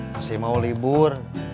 masih mau libur